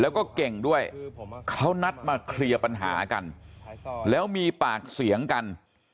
แล้วก็เก่งด้วยเขานัดมาเคลียร์ปัญหากันแล้วมีปากเสียงกัน